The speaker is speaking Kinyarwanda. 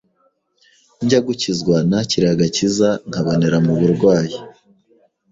Njya gukizwa nakiriye agakiza nkabonera mu burwayi